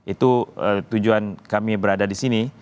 itu tujuan kami berada di sini